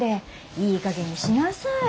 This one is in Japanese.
いいかげんにしなさい。